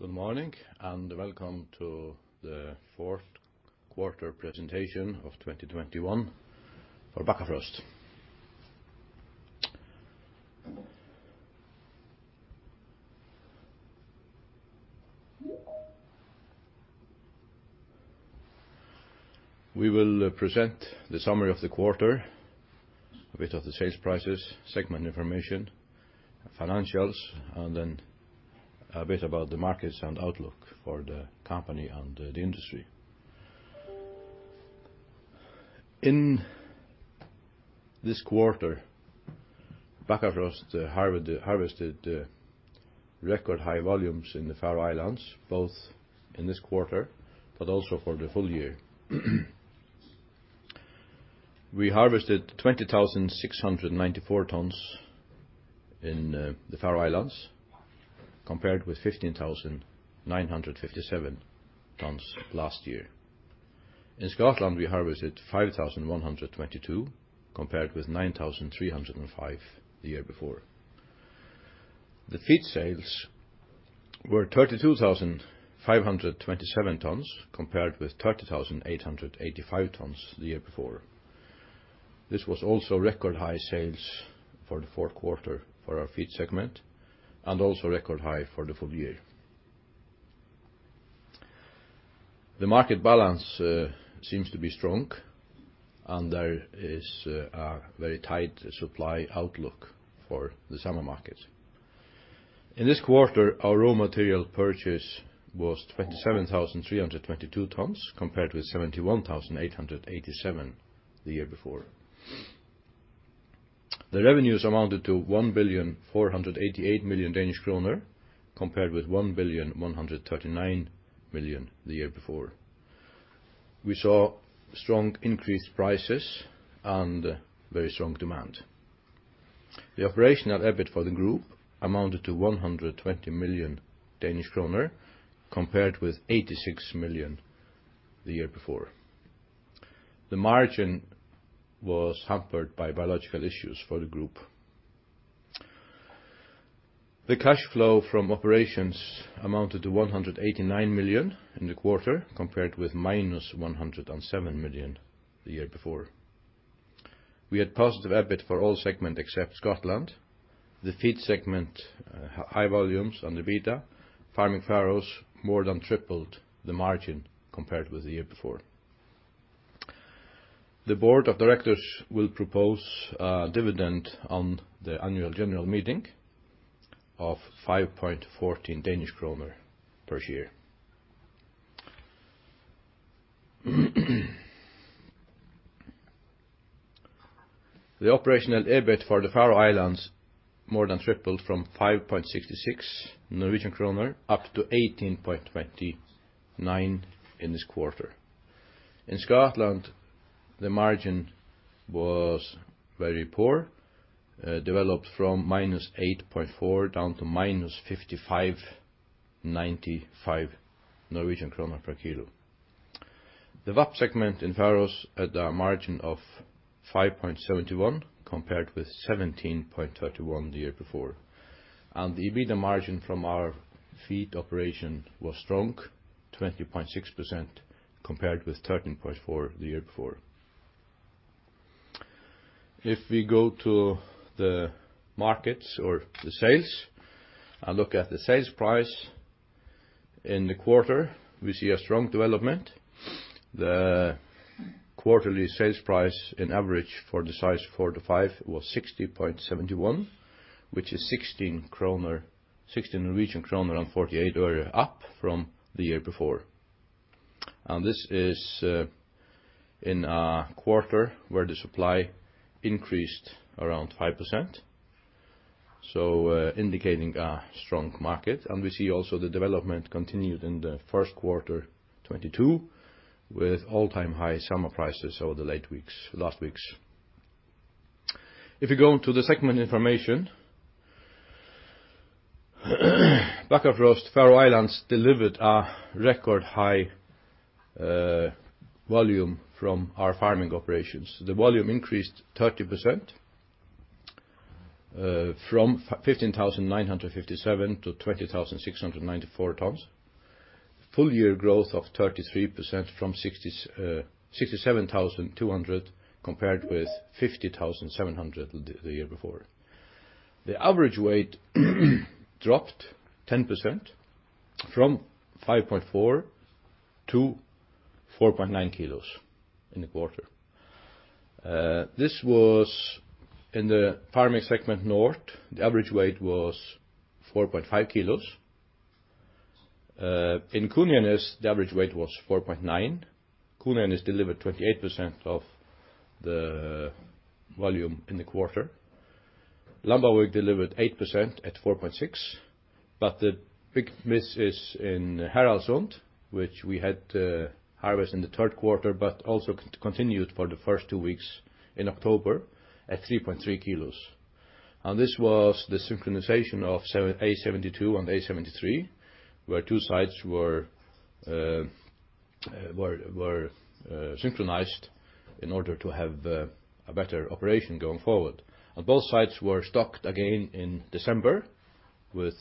Good morning, and welcome to the Q4 presentation of 2021 for Bakkafrost. We will present the summary of the quarter, a bit of the sales prices, segment information, financials, and then a bit about the markets and outlook for the company and the industry. In this quarter, Bakkafrost harvested record high volumes in the Faroe Islands, both in this quarter, but also for the full year. We harvested 20,694 tons in the Faroe Islands, compared with 15,957 tons last year. In Scotland, we harvested 5,122, compared with 9,305 the year before. The feed sales were 32,527 tons, compared with 30,885 tons the year before. This was also record high sales for the Q4 for our feed segment, and also record high for the full year. The market balance, seems to be strong and there is a very tight supply outlook for the summer markets. In this quarter, our raw material purchase was 27,322 tons compared with 71,887 the year before. The revenues amounted to 1,488 million Danish kroner compared with 1,139 million the year before. We saw strong increased prices and very strong demand. The operational EBIT for the group amounted to 120 million Danish kroner compared with 86 million the year before. The margin was hampered by biological issues for the group. The cash flow from operations amounted to 189 million in the quarter compared with -107 million the year before. We had positive EBIT for all segment except Scotland. The feed segment, high volumes on the EBITDA. Farming Faroes more than tripled the margin compared with the year before. The board of directors will propose a dividend on the annual general meeting of 5.14 Danish kroner per share. The operational EBIT for the Faroe Islands more than tripled from 5.66 Norwegian kroner up to 18.29 in this quarter. In Scotland, the margin was very poor, developed from -8.4 down to -55.95 Norwegian kroner per kilo. The VAP segment in Faroes at a margin of 5.71 compared with 17.31 the year before. The EBITDA margin from our feed operation was strong, 20.6% compared with 13.4% the year before. If we go to the markets or the sales and look at the sales price in the quarter, we see a strong development. The quarterly sales price in average for the size four to five was 60.71, which is 16.48 kroner up from the year before. This is in a quarter where the supply increased around 5%, indicating a strong market. We see also the development continued in the Q1 2022, with all-time high summer prices over the last weeks. If you go into the segment information, Bakkafrost Faroe Islands delivered a record high volume from our farming operations. The volume increased 30%, from 15,957 to 20,694 tons. Full year growth of 33% from 67,200 compared with 50,700 the year before. The average weight dropped 10% from 5.4 to 4.9 kilos in the quarter. This was in the farming segment north, the average weight was 4.5 kilos. In Kunoyarnes the average weight was 4.9. Kunoyarnes has delivered 28% of the volume in the quarter. Lambavík delivered 8% at 4.6, but the big miss is in Hvannasund, which we had harvest in the Q3, but also continued for the first two weeks in October at 3.3 kilos. This was the synchronization of A-72 and A-73, where two sites were synchronized in order to have a better operation going forward. Both sites were stocked again in December with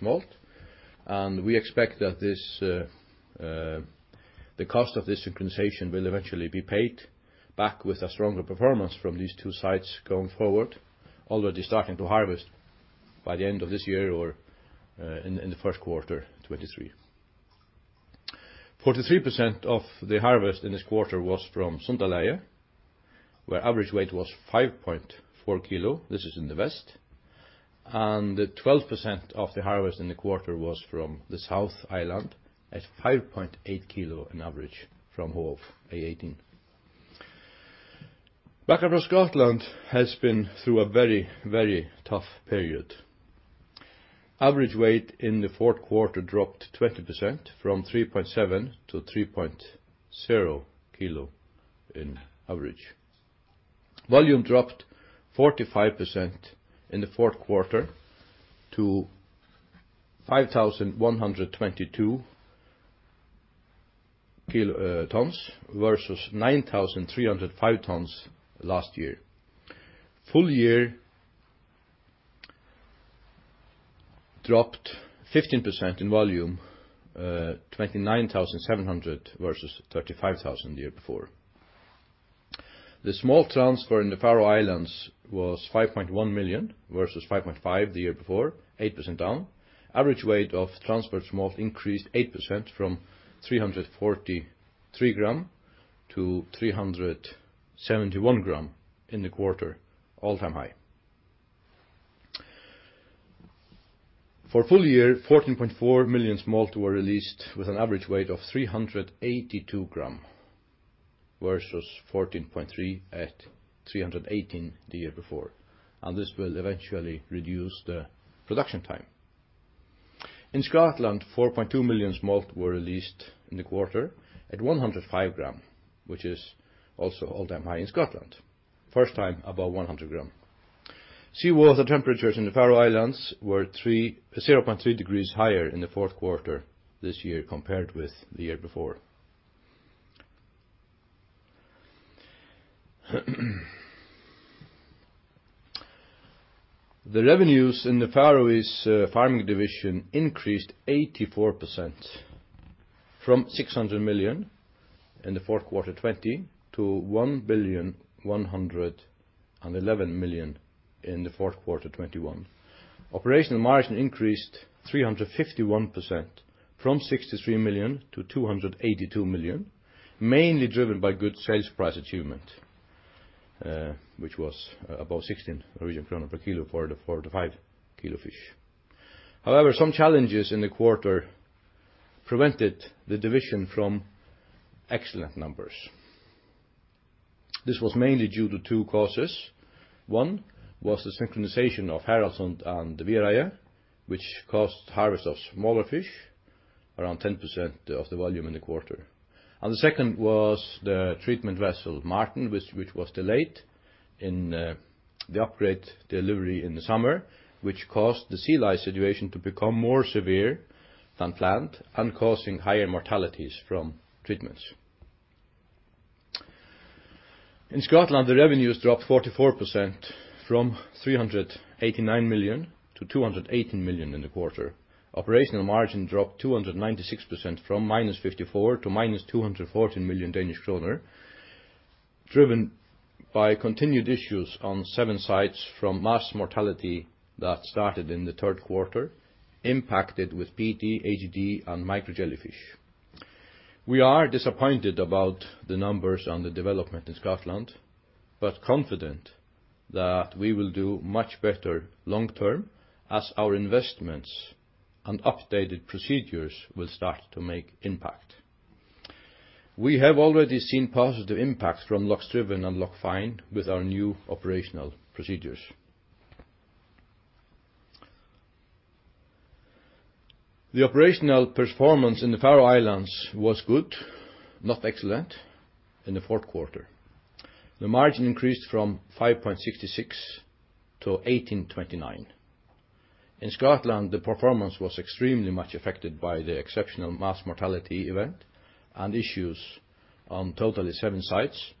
smolt. We expect that the cost of this synchronization will eventually be paid back with a stronger performance from these two sites going forward, already starting to harvest by the end of this year or in the Q1 2023. 43% of the harvest in this quarter was from Sundalagið, where average weight was 5.4 kilo. This is in the west. 12% of the harvest in the quarter was from the South Island at 5.8 kilo on average from Hov A-18. Bakkafrost Scotland has been through a very, very tough period. Average weight in the Q4 dropped 20% from 3.7 to 3.0 kilo in average. Volume dropped 45% in the Q4 to 5,122 kilotons versus 9,305 tons last year. Full year dropped 15% in volume, 29,700 versus 35,000 the year before. The smolt transfer in the Faroe Islands was 5.1 million versus 5.5 the year before, 8% down. Average weight of transferred smolt increased 8% from 343 grams to 371 grams in the quarter, all-time high. For full year, 14.4 million smolt were released with an average weight of 382 grams versus 14.3 at 318 the year before. This will eventually reduce the production time. In Scotland, 4.2 million smolt were released in the quarter at 105 grams, which is also all-time high in Scotland. First time above 100 grams. Seawater temperatures in the Faroe Islands were 0.3 degrees higher in the Q4 this year compared with the year before. The revenues in the Faroese farming division increased 84% from 600 million in the Q4 2020 to 1,111 million in the Q4 2021. Operational margin increased 351% from 63 million to 282 million, mainly driven by good sales price achievement, which was above 16 Norwegian kroner per kilo for the 5-kilo fish. However, some challenges in the quarter prevented the division from excellent numbers. This was mainly due to two causes. One was the synchronization of Haraldssund and Viðareiði, which caused harvest of smaller fish, around 10% of the volume in the quarter. The second was the treatment vessel Martin, which was delayed in the upgrade delivery in the summer, which caused the sea lice situation to become more severe than planned and causing higher mortalities from treatments. In Scotland, the revenues dropped 44% from 389 million to 280 million in the quarter. Operational margin dropped 296% from -54 million to -214 million Danish kroner, driven by continued issues on seven sites from mass mortality that started in the Q3, impacted with PD, HD, and micro jellyfish. We are disappointed about the numbers on the development in Scotland, but confident that we will do much better long term as our investments and updated procedures will start to make impact. We have already seen positive impacts from Loch Striven and Loch Fyne with our new operational procedures. The operational performance in the Faroe Islands was good, not excellent, in the Q4. The margin increased from 5.66 to 18.29. In Scotland, the performance was extremely much affected by the exceptional mass mortality event and issues on totally seven sites,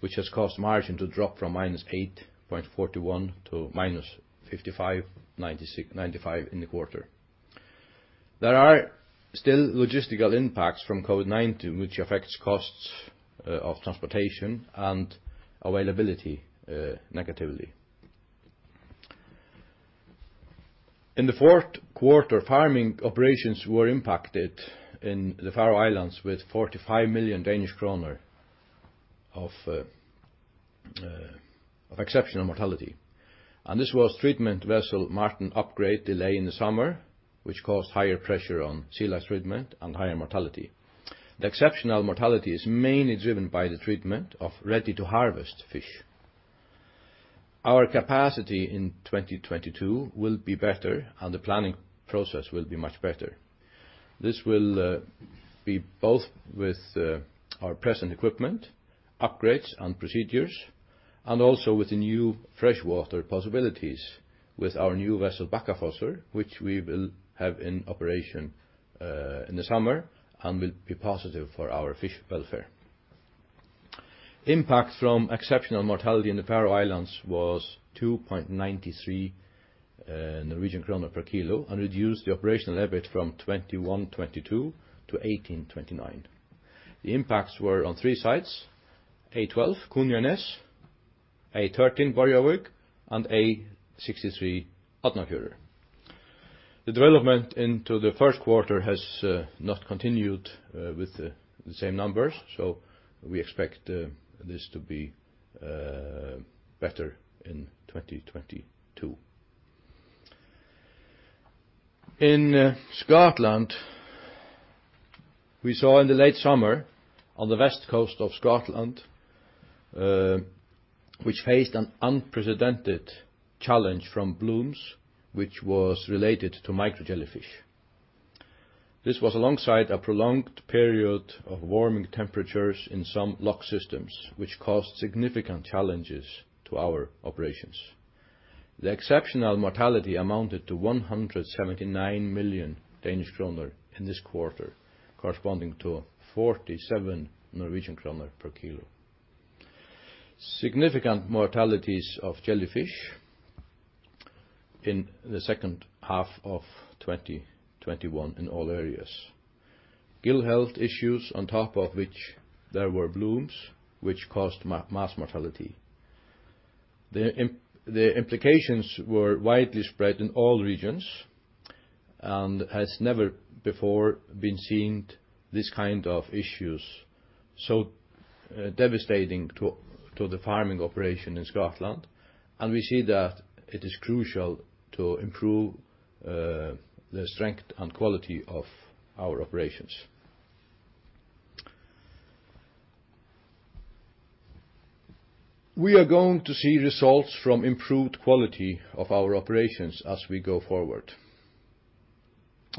which has caused margin to drop from -8.41 to NOK -55.96, -95 in the quarter. There are still logistical impacts from COVID-19 which affects costs of transportation and availability negatively. In the Q4, farming operations were impacted in the Faroe Islands with 45 million Danish kroner of exceptional mortality. This was treatment vessel Martin upgrade delay in the summer, which caused higher pressure on sea lice treatment and higher mortality. The exceptional mortality is mainly driven by the treatment of ready to harvest fish. Our capacity in 2022 will be better and the planning process will be much better. This will be both with our present equipment, upgrades and procedures and also with the new freshwater possibilities with our new vessel Bakkafossur, which we will have in operation in the summer and will be positive for our fish welfare. Impact from exceptional mortality in the Faroe Islands was 2.93 Norwegian krone per kilo, and reduced the operational EBIT from 21.22 to 18.29. The impacts were on three sites, A-12, Kunoyarnes, A-13, Borðoyarvík, and A-63, Árnafjørður. The development into the Q1 has not continued with the same numbers, so we expect this to be better in 2022. In Scotland, we saw in the late summer on the west coast of Scotland, which faced an unprecedented challenge from blooms which was related to micro jellyfish. This was alongside a prolonged period of warming temperatures in some loch systems, which caused significant challenges to our operations. The exceptional mortality amounted to 179 million Danish kroner in this quarter, corresponding to 47 Norwegian kroner per kilo. Significant mortalities of jellyfish in the H2 of 2021 in all areas. Gill health issues, on top of which there were blooms which caused mass mortality. The implications were widely spread in all regions, and has never before been seen this kind of issues so devastating to the farming operation in Scotland, and we see that it is crucial to improve the strength and quality of our operations. We are going to see results from improved quality of our operations as we go forward.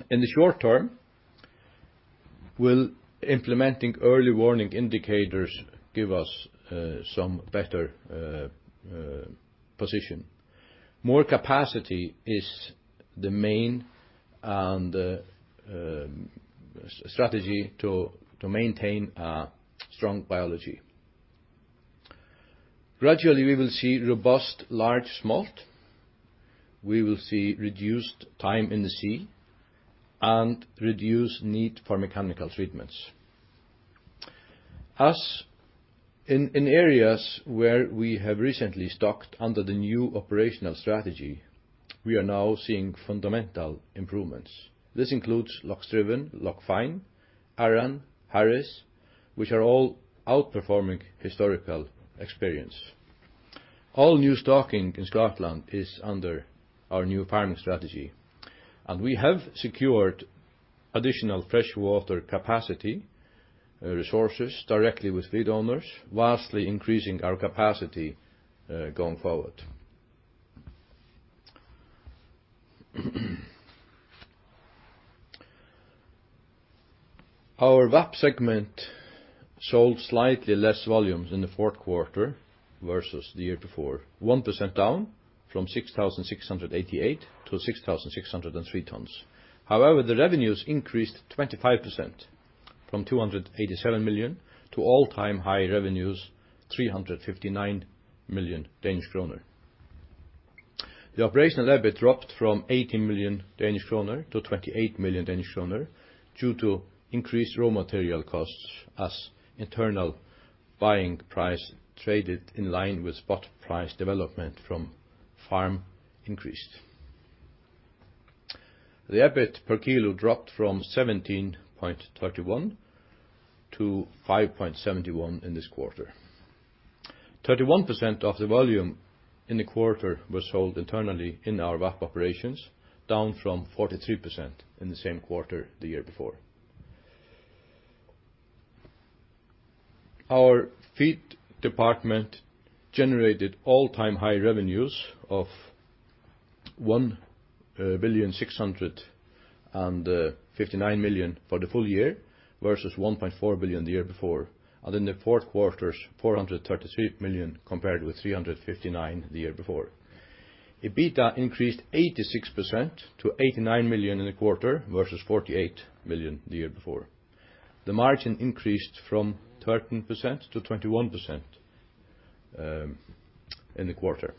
In the short term, will implementing early warning indicators give us some better position. More capacity is the main strategy to maintain a strong biology. Gradually, we will see robust large smolt. We will see reduced time in the sea and reduced need for mechanical treatments. In areas where we have recently stocked under the new operational strategy, we are now seeing fundamental improvements. This includes Loch Striven, Loch Fyne, Arran, Harris, which are all outperforming historical experience. All new stocking in Scotland is under our new farming strategy, and we have secured additional freshwater capacity, resources directly with feed owners, vastly increasing our capacity, going forward. Our VAP segment sold slightly less volumes in the Q4 versus the year before, 1% down from 6,688-6,603 tons. However, the revenues increased 25% from 287 million to all-time high revenues, 359 million Danish kroner. The operational EBIT dropped from 18 million-28 million Danish kroner due to increased raw material costs as internal buying price traded in line with spot price development from farm increased. The EBIT per kilo dropped from 17.31-5.71 in this quarter. 31% of the volume in the quarter was sold internally in our VAP operations, down from 43% in the same quarter the year before. Our feed department generated all-time high revenues of 1,659 million for the full year versus 1.4 billion the year before, and in the Q4s, 433 million compared with 359 million the year before. EBITDA increased 86% to 89 million in the quarter versus 48 million the year before. The margin increased from 13% to 21% in the quarter.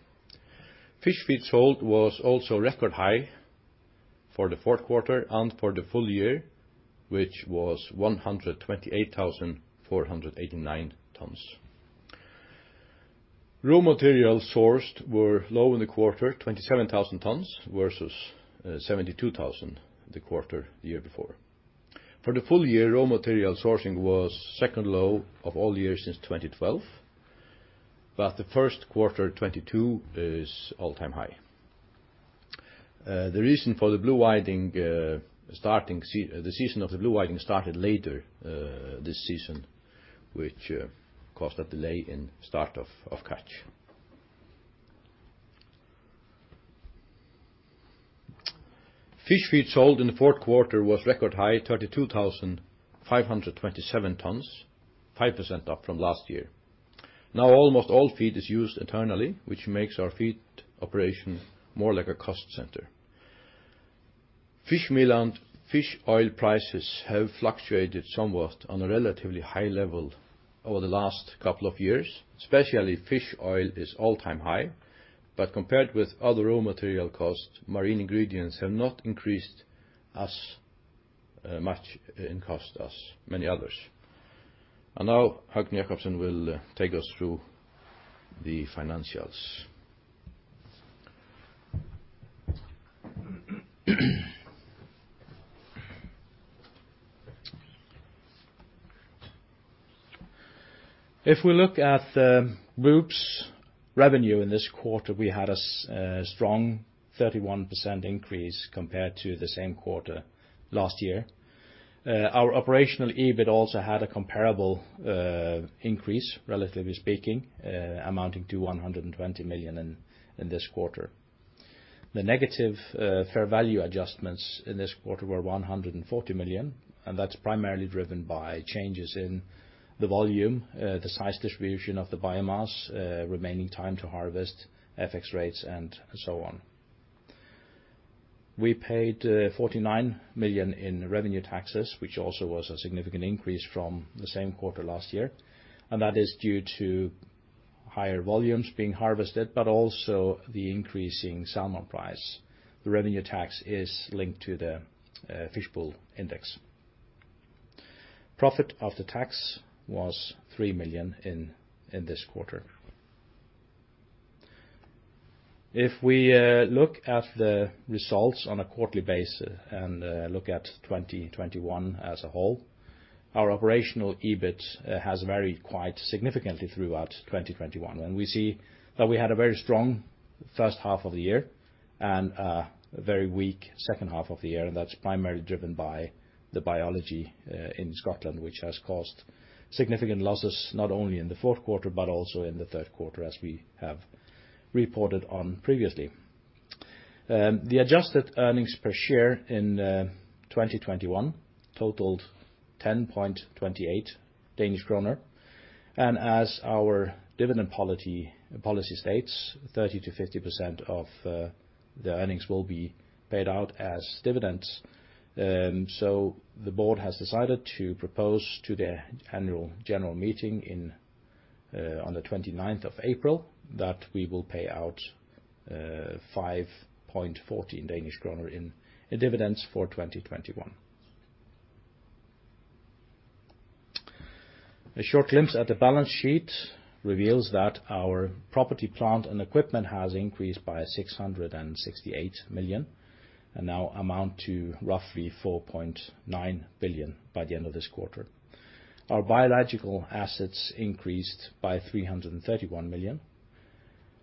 Fish feeds sold was also record high for the Q4 and for the full year, which was 128,489 tons. Raw materials sourced were low in the quarter, 27,000 tons versus 72,000 the quarter the year before. For the full year, raw material sourcing was second low of all years since 2012, but the Q1 2022 is all-time high. The reason for the blue whiting, the season of the blue whiting started later this season, which caused a delay in start of catch. Fish feed sold in the Q4 was record high, 32,527 tons, 5% up from last year. Now, almost all feed is used internally, which makes our feed operation more like a cost center. Fishmeal and fish oil prices have fluctuated somewhat on a relatively high level over the last couple of years, especially, fish oil is all-time high. Compared with other raw material costs, marine ingredients have not increased as much in cost as many others. Now, Høgni Jakobsen will take us through the financials. If we look at the group's revenue in this quarter, we had a strong 31% increase compared to the same quarter last year. Our operational EBIT also had a comparable increase, relatively speaking, amounting to 120 million in this quarter. The negative fair value adjustments in this quarter were 140 million, and that's primarily driven by changes in the volume, the size distribution of the biomass, remaining time to harvest, FX rates, and so on. We paid 49 million in revenue taxes, which also was a significant increase from the same quarter last year. That is due to higher volumes being harvested, but also the increasing salmon price. The revenue tax is linked to the Fish Pool Index. Profit after tax was 3 million in this quarter. If we look at the results on a quarterly basis and look at 2021 as a whole, our operational EBIT has varied quite significantly throughout 2021. We see that we had a very strong H1 of the year and a very weak H2 of the year, and that's primarily driven by the biology in Scotland, which has caused significant losses, not only in the Q4, but also in the Q3, as we have reported on previously. The adjusted earnings per share in 2021 totaled 10.28 Danish kroner. As our dividend policy states, 30%-50% of the earnings will be paid out as dividends. The board has decided to propose to the annual general meeting on the 29th of April that we will pay out 5.14 Danish kroner in dividends for 2021. A short glimpse at the balance sheet reveals that our property plant and equipment has increased by 668 million, and now amounts to roughly 4.9 billion by the end of this quarter. Our biological assets increased by 331 million,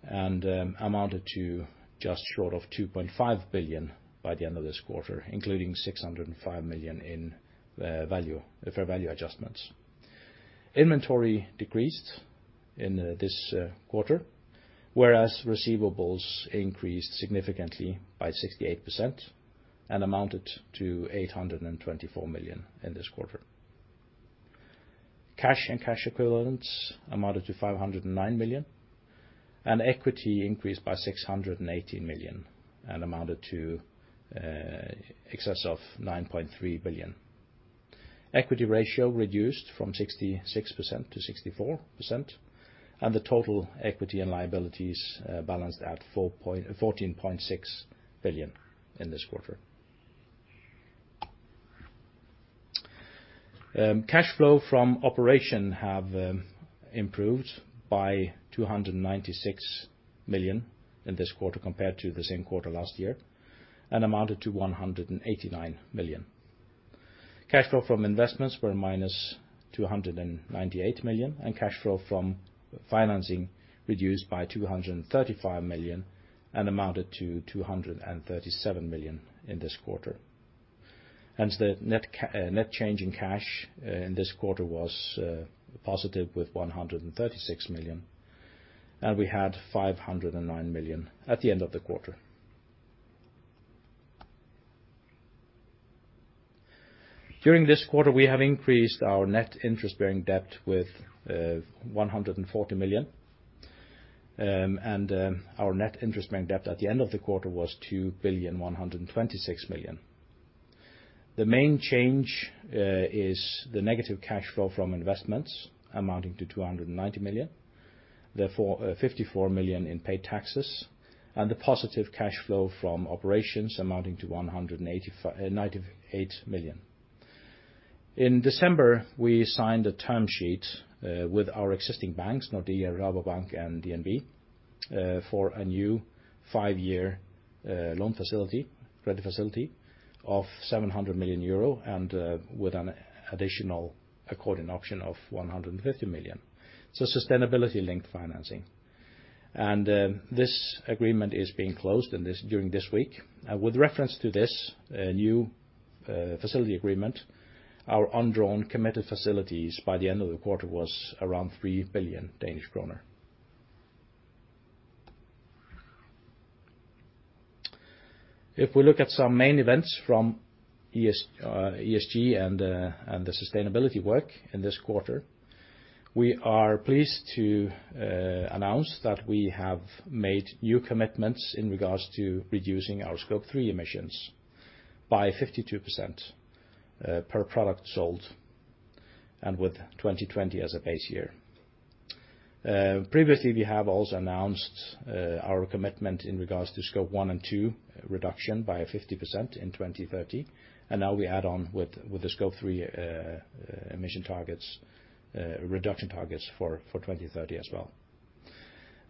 and amounted to just short of 2.5 billion by the end of this quarter, including 605 million in fair value adjustments. Inventory decreased in this quarter, whereas receivables increased significantly by 68% and amounted to 824 million in this quarter. Cash and cash equivalents amounted to 509 million, and equity increased by 680 million and amounted to excess of 9.3 billion. Equity ratio reduced from 66% to 64%, and the total equity and liabilities balanced at 14.6 billion in this quarter. Cash flow from operation have improved by 296 million in this quarter compared to the same quarter last year and amounted to 189 million. Cash flow from investments were minus 298 million, and cash flow from financing reduced by 235 million and amounted to 237 million in this quarter. The net change in cash in this quarter was positive with 136 million, and we had 509 million at the end of the quarter. During this quarter, we have increased our net interest-bearing debt with 140 million, and our net interest-bearing debt at the end of the quarter was 2,126 million. The main change is the negative cash flow from investments amounting to 290 million, therefore, 54 million in paid taxes, and the positive cash flow from operations amounting to 198 million. In December, we signed a term sheet with our existing banks, Nordea, Rabobank, and DNB, for a new five-year loan facility, credit facility of 700 million euro and with an additional call option of 150 million. Sustainability-linked financing. This agreement is being closed during this week. With reference to this new facility agreement, our undrawn committed facilities by the end of the quarter was around 3 billion Danish kroner. If we look at some main events from ESG and the sustainability work in this quarter, we are pleased to announce that we have made new commitments in regards to reducing our Scope 3 emissions by 52% per product sold and with 2020 as a base year. Previously we have also announced our commitment in regards to Scope 1 and 2 reduction by 50% in 2030, and now we add on with the Scope 3 emission targets, reduction targets for 2030 as well.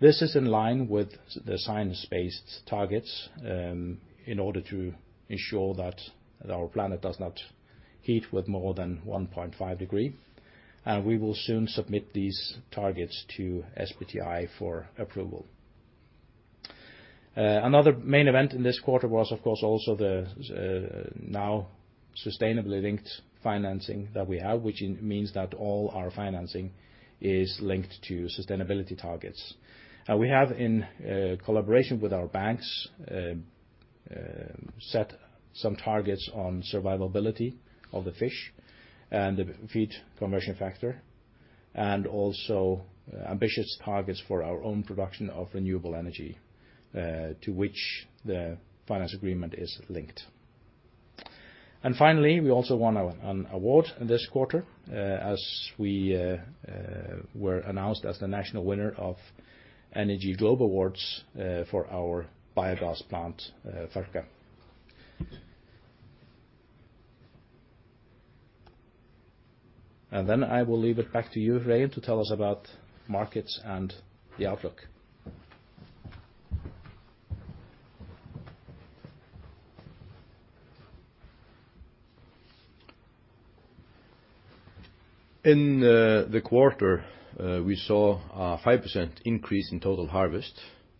This is in line with the science-based targets in order to ensure that our planet does not heat with more than 1.5 degrees, and we will soon submit these targets to SBTi for approval. Another main event in this quarter was of course also the now sustainably linked financing that we have, which means that all our financing is linked to sustainability targets. We have in collaboration with our banks set some targets on survivability of the fish and the feed conversion ratio, and also ambitious targets for our own production of renewable energy to which the finance agreement is linked. Finally, we also won an award this quarter as we were announced as the national winner of Energy Globe Award for our biogas plant Førka. I will leave it back to you, Regin, to tell us about markets and the outlook. In the quarter, we saw a 5% increase in total harvest.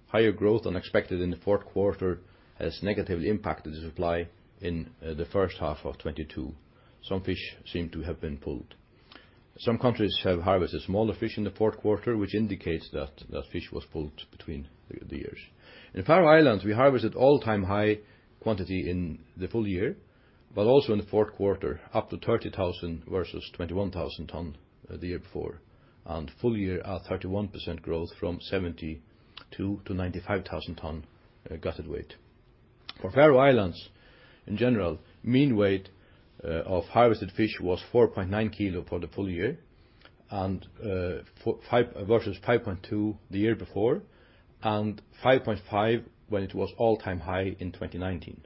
Higher growth unexpected in the Q4 has negatively impacted the supply in the H1 of 2022. Some fish seem to have been pulled. Some countries have harvested smaller fish in the Q4, which indicates that fish was pulled between the years. In Faroe Islands, we harvested all-time high quantity in the full year, but also in the Q4, up to 30,000 versus 21,000 tons the year before. Full year, a 31% growth from 72,000 to 95,000 tons gutted weight. For Faroe Islands in general, mean weight of harvested fish was 4.9 kg for the full year versus 5.2 the year before, and 5.5 when it was all-time high in 2019.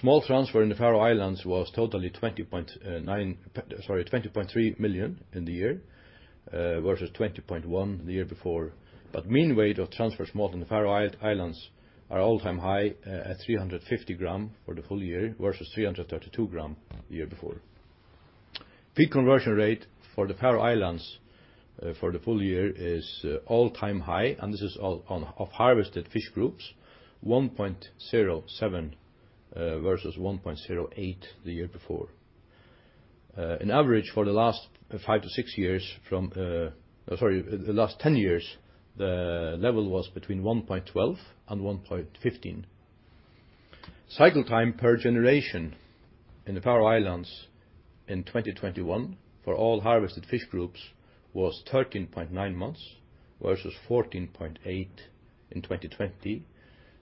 Smolt transfer in the Faroe Islands was 20.3 million in the year versus 20.1 the year before. Mean weight of transfers in the Faroe Islands was all-time high at 350 grams for the full year versus 332 grams the year before. FCR for the Faroe Islands for the full year is all-time high, and this is on all harvested fish groups, 1.07 versus 1.08 the year before. On average for the last ten years, the level was between 1.12 and 1.15. Cycle time per generation in the Faroe Islands in 2021 for all harvested fish groups was 13.9 months versus 14.8 in 2020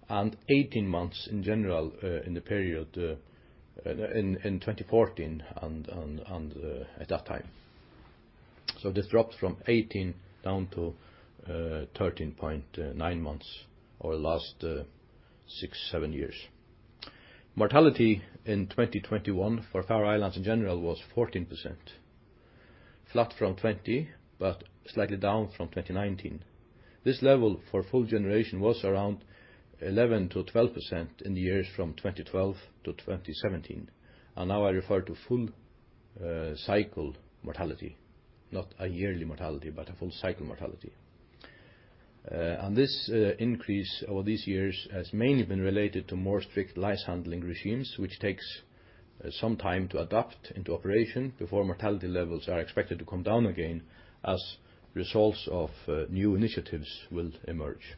and 18 months in general in the period in 2014 and at that time. This dropped from 18 down to 13.9 months over last six, seven years. Mortality in 2021 for Faroe Islands in general was 14%, flat from 2020 but slightly down from 2019. This level for full generation was around 11%-12% in the years from 2012 to 2017. Now I refer to full cycle mortality, not a yearly mortality, but a full cycle mortality. This increase over these years has mainly been related to more strict lice handling regimes, which takes some time to adapt into operation before mortality levels are expected to come down again as results of new initiatives will emerge.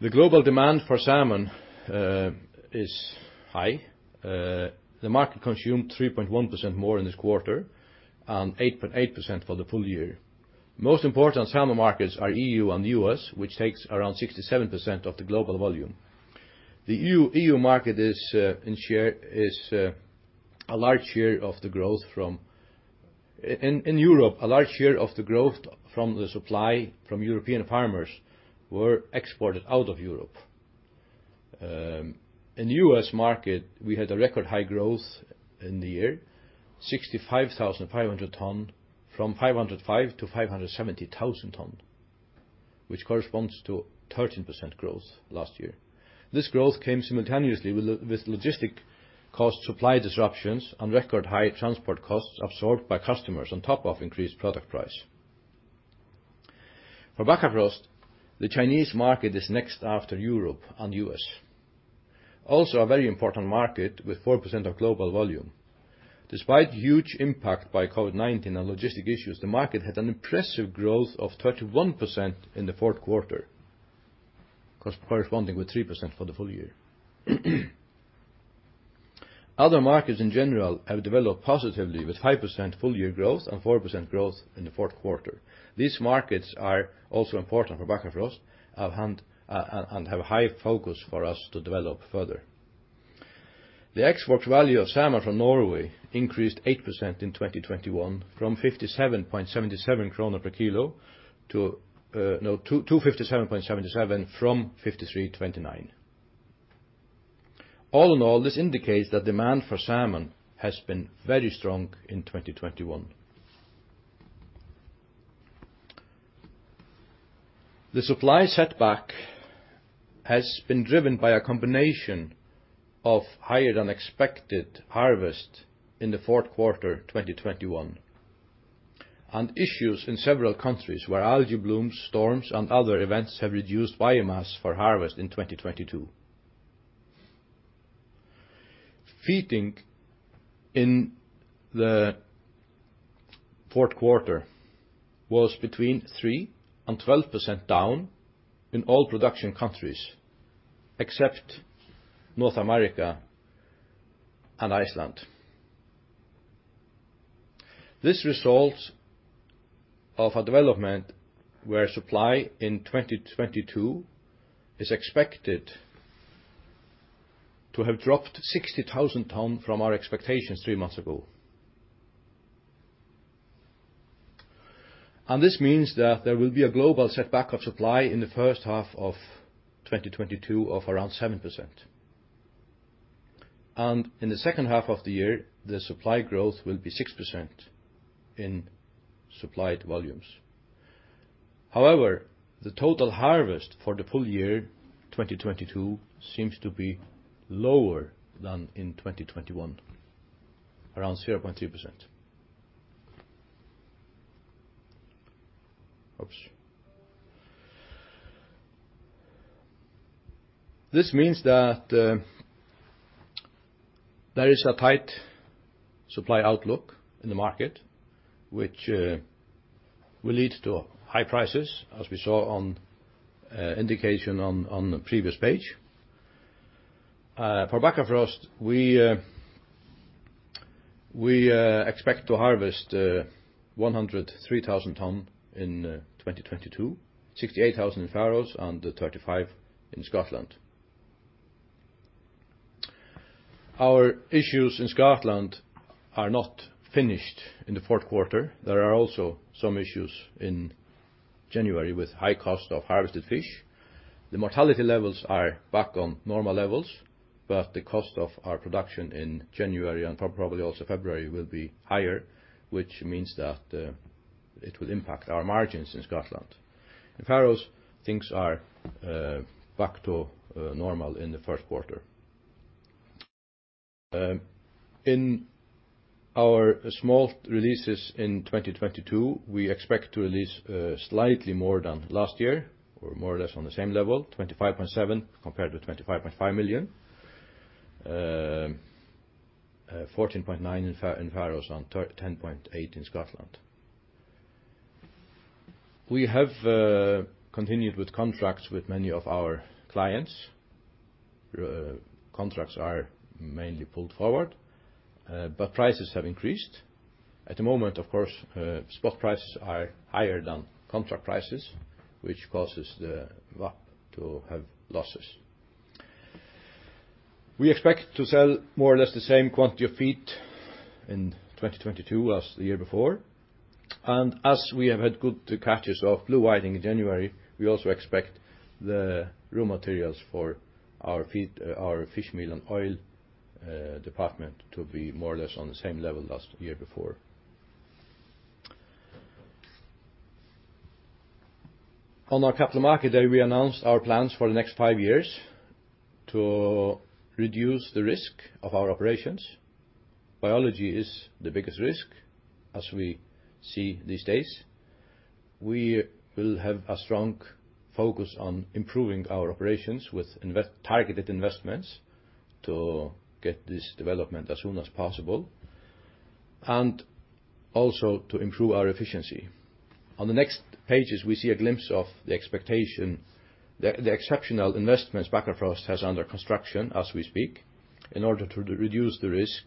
The global demand for salmon is high. The market consumed 3.1% more in this quarter and 8.8% for the full year. Most important salmon markets are EU and US, which takes around 67% of the global volume. The EU market is, in share, a large share of the growth from. In Europe, a large share of the growth from the supply from European farmers were exported out of Europe. In the US market, we had a record high growth in the year, 65,500 tons from 505,000 to 570,000 tons, which corresponds to 13% growth last year. This growth came simultaneously with logistic cost supply disruptions and record high transport costs absorbed by customers on top of increased product price. For Bakkafrost, the Chinese market is next after Europe and US. Also a very important market with 4% of global volume. Despite huge impact by COVID-19 and logistic issues, the market had an impressive growth of 31% in the Q4, corresponding with 3% for the full year. Other markets in general have developed positively with 5% full year growth and 4% growth in the Q4. These markets are also important for Bakkafrost and have high focus for us to develop further. The export value of salmon from Norway increased 8% in 2021 from 53.29 krone per kilo to 57.77 per kilo. All in all, this indicates that demand for salmon has been very strong in 2021. The supply setback has been driven by a combination of higher than expected harvest in the Q4 2021, and issues in several countries where algae blooms, storms, and other events have reduced biomass for harvest in 2022. Feeding in the Q4 was 3%-12% down in all production countries, except North America and Iceland. This is a result of a development where supply in 2022 is expected to have dropped 60,000 tons from our expectations three months ago. This means that there will be a global setback of supply in the H1 of 2022 of around 7%. In the H2 of the year, the supply growth will be 6% in supplied volumes. However, the total harvest for the full year, 2022, seems to be lower than in 2021, around 0.2%. This means that there is a tight supply outlook in the market, which will lead to high prices, as we saw indications on the previous page. For Bakkafrost, we expect to harvest 103,000 ton in 2022, 68,000 in Faroes, and 35,000 in Scotland. Our issues in Scotland are not finished in the Q4. There are also some issues in January with high cost of harvested fish. The mortality levels are back on normal levels, but the cost of our production in January and probably also February will be higher, which means that it will impact our margins in Scotland. In Faroes, things are back to normal in the Q1. In our smolt releases in 2022, we expect to release slightly more than last year, or more or less on the same level, 25.7 compared to 25.5 million. 14.9 in Faroes and 10.8 in Scotland. We have continued with contracts with many of our clients. Contracts are mainly pulled forward, but prices have increased. At the moment, of course, spot prices are higher than contract prices, which causes the VAP to have losses. We expect to sell more or less the same quantity of feed in 2022 as the year before. As we have had good catches of blue whiting in January, we also expect the raw materials for our feed, our fish meal and oil department to be more or less on the same level last year before. On our capital market day, we announced our plans for the next five years to reduce the risk of our operations. Biology is the biggest risk, as we see these days. We will have a strong focus on improving our operations with targeted investments to get this development as soon as possible, and also to improve our efficiency. On the next pages, we see a glimpse of the expectation, the exceptional investments Bakkafrost has under construction as we speak, in order to reduce the risk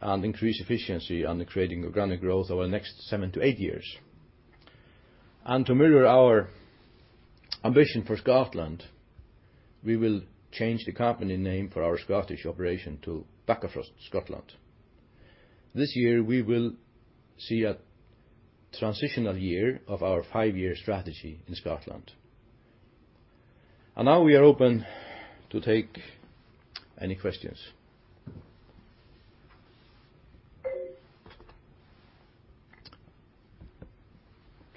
and increase efficiency on the creating organic growth over the next seven to eight years. To mirror our ambition for Scotland, we will change the company name for our Scottish operation to Bakkafrost Scotland. This year, we will see a transitional year of our five-year strategy in Scotland. Now we are open to take any questions.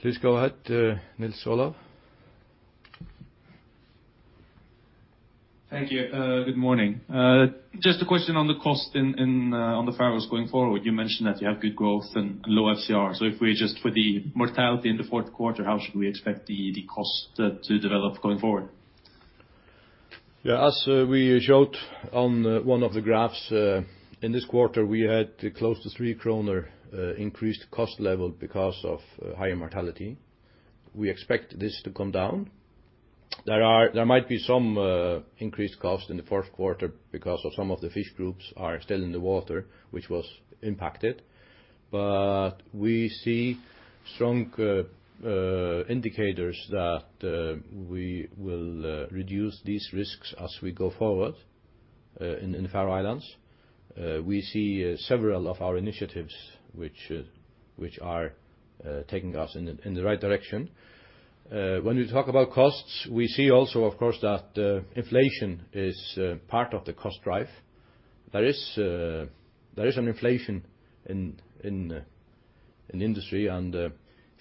Please go ahead, Ola. Thank you. Good morning. Just a question on the cost in the Faroes going forward. You mentioned that you have good growth and low FCR. If we adjust for the mortality in the Q4, how should we expect the cost to develop going forward? Yeah. As we showed on one of the graphs, in this quarter, we had close to 3 kroner increased cost level because of higher mortality. We expect this to come down. There might be some increased cost in the Q4 because some of the fish groups are still in the water, which was impacted. We see strong indicators that we will reduce these risks as we go forward in Faroe Islands. We see several of our initiatives which are taking us in the right direction. When we talk about costs, we see also, of course, that inflation is part of the cost drive. There is an inflation in industry, and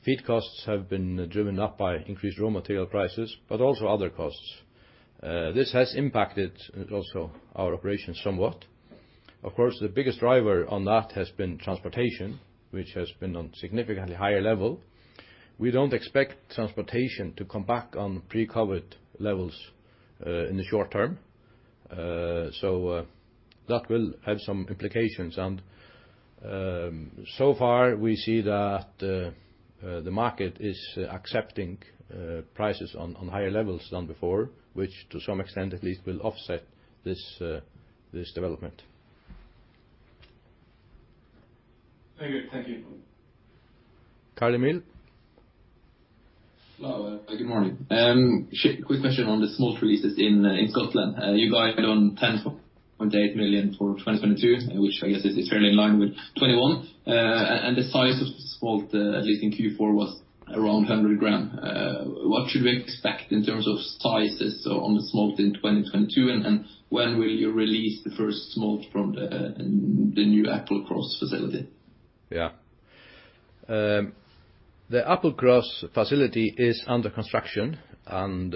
feed costs have been driven up by increased raw material prices, but also other costs. This has impacted also our operations somewhat. Of course, the biggest driver on that has been transportation, which has been on significantly higher level. We don't expect transportation to come back on pre-COVID levels in the short term. That will have some implications. So far, we see that the market is accepting prices on higher levels than before, which to some extent at least will offset this development. Very good. Thank you. Carl Emil? Hello. Good morning. Quick question on the smolt releases in Scotland. You guys are on 10.8 million for 2022, which I guess is fairly in line with 2021. The size of the smolt, at least in Q4, was around 100 grams. What should we expect in terms of sizes on the smolt in 2022, and when will you release the first smolt from the new Applecross facility? The Applecross facility is under construction, and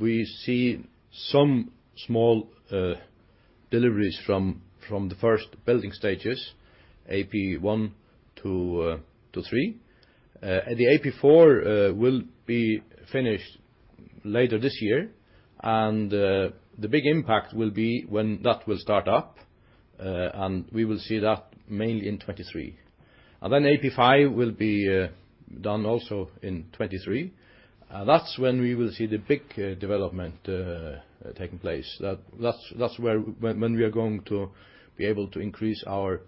we see some small deliveries from the first building stages, AP 1 to 3. The AP 4 will be finished later this year, and the big impact will be when that will start up, and we will see that mainly in 2023. AP 5 will be done also in 2023. That's when we will see the big development taking place. That's when we are going to be able to increase our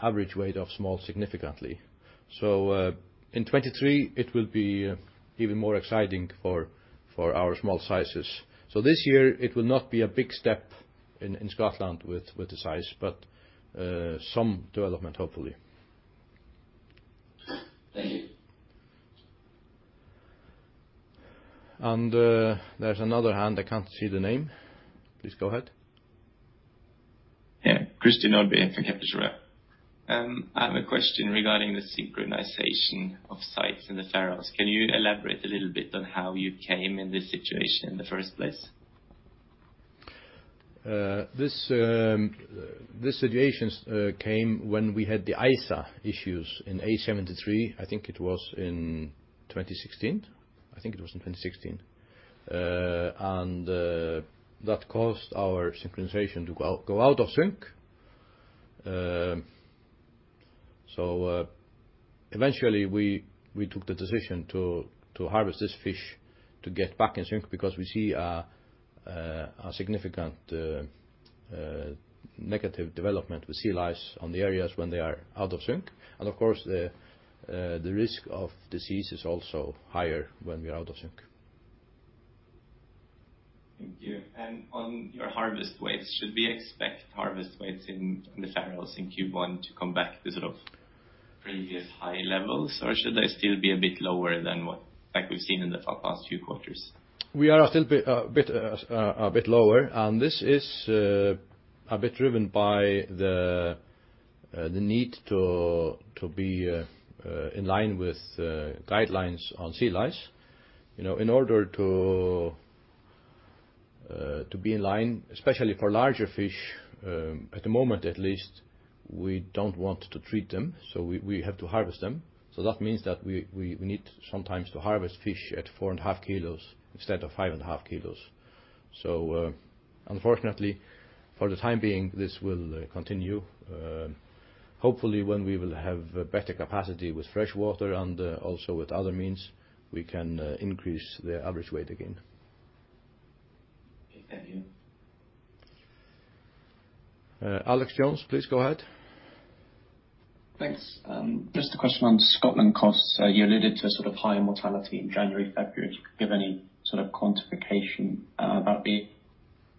average weight of smolt significantly. In 2023, it will be even more exciting for our smolt sizes. This year it will not be a big step in Scotland with the size, but some development, hopefully. Thank you. There's another hand. I can't see the name. Please go ahead. Yeah. Christian Olsen Nordby from Kepler Cheuvreux. I have a question regarding the synchronization of sites in the Faroes. Can you elaborate a little bit on how you came in this situation in the first place? This situation came when we had the ISA issues in A-73, I think it was in 2016. That caused our synchronization to go out of sync. Eventually we took the decision to harvest this fish to get back in sync because we see a significant negative development with sea lice on the areas when they are out of sync. Of course, the risk of disease is also higher when we're out of sync. Thank you. On your harvest weights, should we expect harvest weights in the Faroes in Q1 to come back to sort of previous high levels, or should they still be a bit lower than what, like we've seen in the past few quarters? We are still a bit lower. This is a bit driven by the need to be in line with guidelines on sea lice. You know, in order to be in line, especially for larger fish, at the moment, at least, we don't want to treat them, so we need sometimes to harvest fish at four and a half kilos instead of five and a half kilos. Unfortunately, for the time being, this will continue. Hopefully, when we will have better capacity with freshwater and also with other means, we can increase the average weight again. Okay, thank you. Alexander Jones, please go ahead. Thanks. Just a question on Scotland costs. You alluded to sort of higher mortality in January, February. If you could give any sort of quantification, that'd be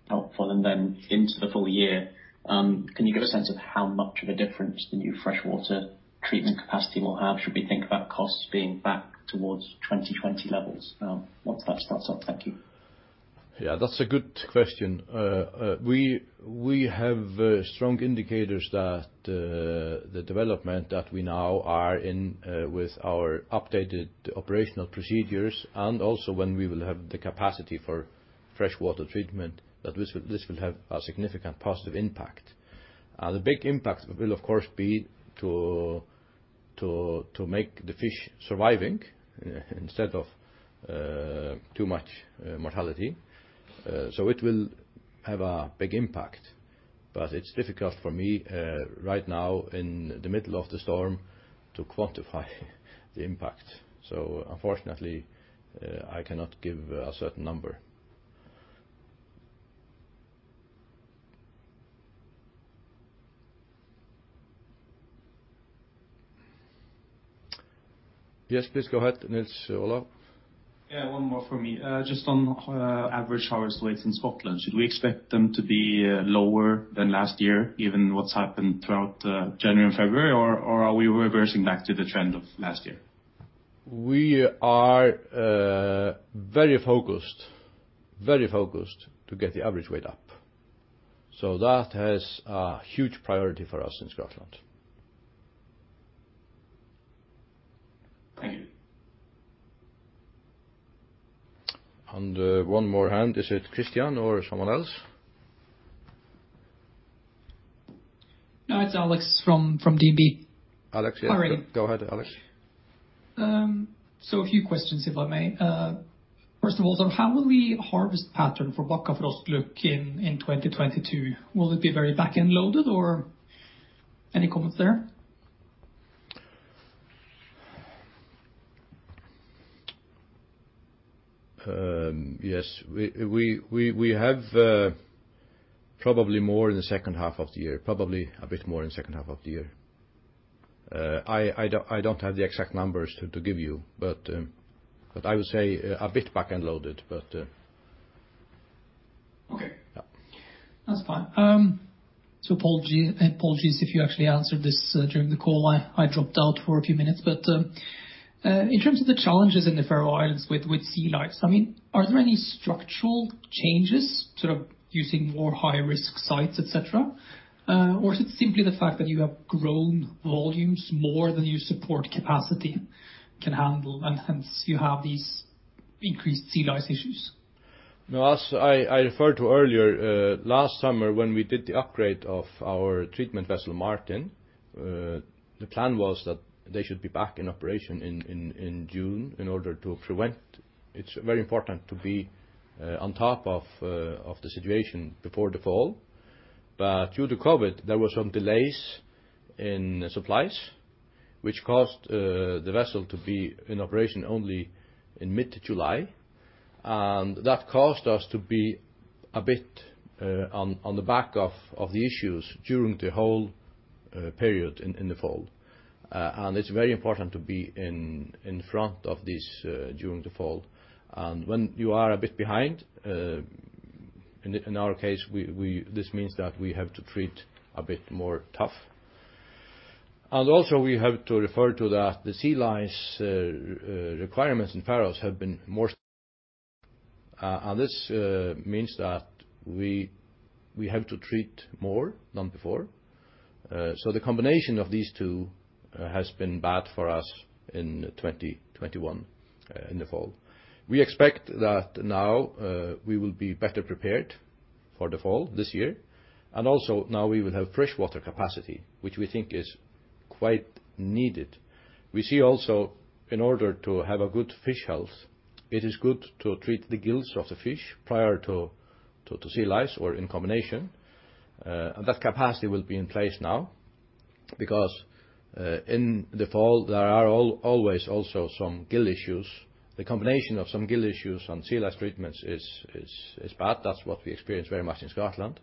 helpful. Into the full year, can you give a sense of how much of a difference the new freshwater treatment capacity will have? Should we think about costs being back towards 2020 levels, once that starts up? Thank you. Yeah, that's a good question. We have strong indicators that the development that we now are in with our updated operational procedures and also when we will have the capacity for freshwater treatment, that this will have a significant positive impact. The big impact will of course be to make the fish surviving instead of too much mortality. It will have a big impact, but it's difficult for me right now in the middle of the storm to quantify the impact. Unfortunately, I cannot give a certain number. Yes, please go ahead, Ola. Yeah, one more from me. Just on average harvest weights in Scotland, should we expect them to be lower than last year, given what's happened throughout January and February? Or are we reversing back to the trend of last year? We are very focused to get the average weight up. That has a huge priority for us in Scotland. Thank you. One more hand. Is it Christian or someone else? No, it's Alex from DNB. Alex, yeah. Sorry. Go ahead, Alex. A few questions, if I may. First of all, how will the harvest pattern for Bakkafrost look in 2022? Will it be very back-end loaded or any comments there? Yes. We have probably more in the H2of the year, probably a bit more in H2 of the year. I don't have the exact numbers to give you, but I would say a bit back-end loaded. Okay. Yeah. That's fine. Apologies if you actually answered this during the call. I dropped out for a few minutes. In terms of the challenges in the Faroe Islands with sea lice, I mean, are there any structural changes to using more high-risk sites, et cetera? Or is it simply the fact that you have grown volumes more than you support capacity can handle, and hence you have these increased sea lice issues? No, as I referred to earlier, last summer when we did the upgrade of our treatment vessel, Martin, the plan was that they should be back in operation in June in order to prevent. It's very important to be on top of the situation before the fall. Due to COVID, there were some delays in supplies which caused the vessel to be in operation only in mid-July. That caused us to be a bit on the back of the issues during the whole period in the fall. It's very important to be in front of this during the fall. When you are a bit behind, in our case, this means that we have to treat a bit more tough. We have to refer to that the sea lice requirements in Faroes have been more, and this means that we have to treat more than before. The combination of these two has been bad for us in 2021, in the fall. We expect that now we will be better prepared for the fall this year. We will have fresh water capacity, which we think is quite needed. We see also in order to have a good fish health, it is good to treat the gills of the fish prior to sea lice or in combination. That capacity will be in place now because in the fall there are always also some gill issues. The combination of some gill issues and sea lice treatments is bad. That's what we experience very much in Scotland.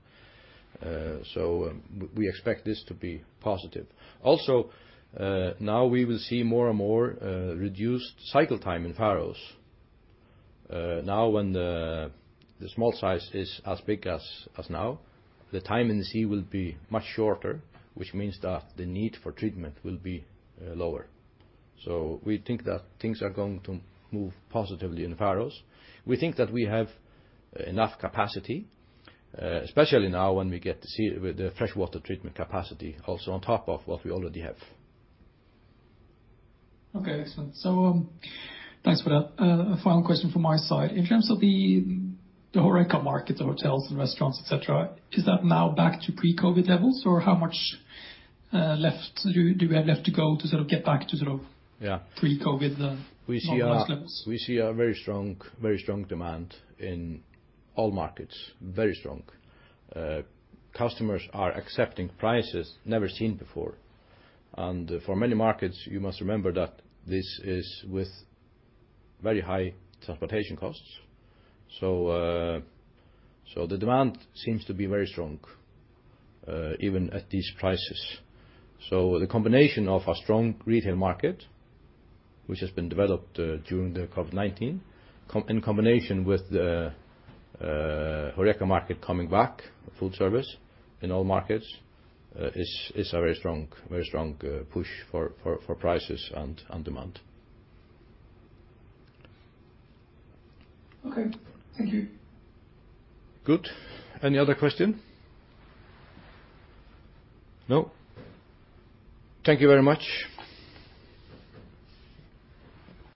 We expect this to be positive. Also now we will see more and more reduced cycle time in Faroes. Now when the small size is as big as now, the time in the sea will be much shorter, which means that the need for treatment will be lower. We think that things are going to move positively in Faroes. We think that we have enough capacity, especially now when we get to see with the fresh water treatment capacity also on top of what we already have. Okay, excellent. Thanks for that. A final question from my side. In terms of the whole HoReCa market, the hotels and restaurants, et cetera, is that now back to pre-COVID levels or how much left do you have left to go to sort of get back to sort of? Yeah. pre-COVID normalized levels? We see a very strong demand in all markets, very strong. Customers are accepting prices never seen before. For many markets, you must remember that this is with very high transportation costs. The demand seems to be very strong, even at these prices. The combination of a strong retail market, which has been developed during the COVID-19 in combination with the HoReCa market coming back, food service in all markets, is a very strong push for prices and demand. Okay. Thank you. Good. Any other question? No. Thank you very much.